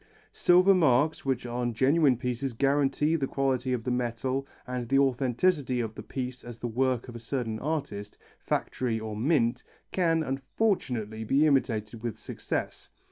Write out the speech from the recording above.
Silver marks, which on genuine pieces guarantee the quality of the metal and the authenticity of the piece as the work of a certain artist, factory or mint, can, unfortunately, be imitated with success.